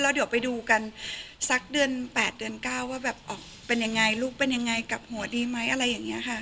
เดี๋ยวไปดูกันสักเดือน๘เดือน๙ว่าแบบออกเป็นยังไงลูกเป็นยังไงกลับหัวดีไหมอะไรอย่างนี้ค่ะ